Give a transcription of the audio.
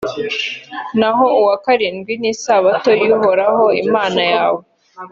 naho uwa karindwi ni isabato y’uhoraho imana yawe.